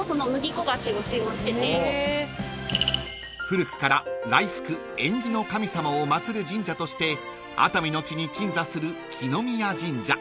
［古くから来福縁起の神様を祭る神社として熱海の地に鎮座する來宮神社］